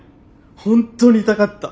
本当に痛かった。